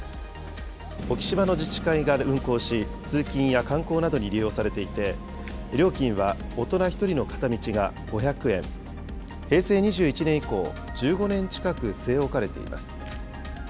沖島の自治会が運航し、通勤や観光などに利用されていて、料金は大人１人の片道が５００円、平成２１年以降、１５年近く据え置かれています。